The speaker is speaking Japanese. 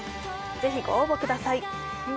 ぜひご応募ください。